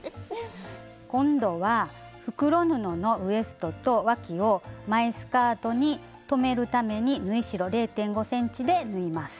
今度は袋布のウエストとわきを前スカートに留めるために縫い代０．５ｃｍで縫います。